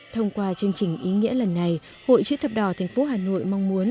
thông qua chương trình ý nghĩa lần này hội chữ thập đỏ tp hà nội mong muốn